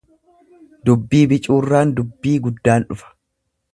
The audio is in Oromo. Dubbii bicuurraan dubbii guddaan dhufa.